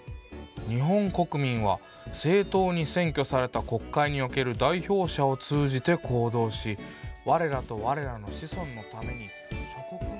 日本国民は正当に選挙された国会における代表者を通じて行動しわれらとわれらの子孫のために諸国民と」。